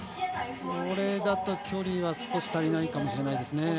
これだと、距離は少し足りないかもしれないですね。